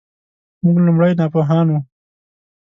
موږ لومړی ناپوهان وو .